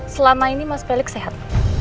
selama ini mas pelik sehat